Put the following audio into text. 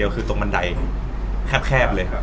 ครับ